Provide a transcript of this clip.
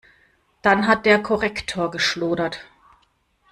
Dann hat der Korrektor geschludert.